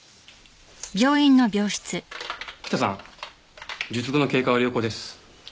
北さん術後の経過は良好です。